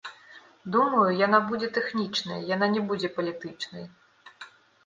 Думаю, яна будзе тэхнічнай, яна не будзе палітычнай.